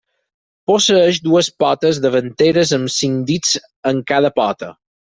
Posseeix dues potes davanteres amb cinc dits en cada pota.